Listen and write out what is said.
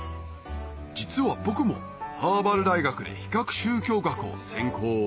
実は僕もハーバード大学で比較宗教学を専攻